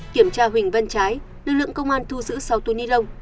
kiểm tra huỳnh vân trái lực lượng công an thu giữ sáu túi nhi lông